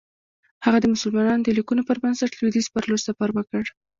هغه د مسلمانانو د لیکنو پر بنسټ لویدیځ پر لور سفر وکړ.